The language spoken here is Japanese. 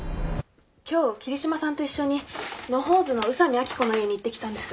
今日桐嶋さんと一緒に野放図の宇佐美秋子の家に行ってきたんです。